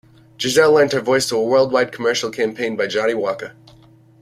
Gisele lent her voice to a worldwide commercial campaign by Johnnie Walker.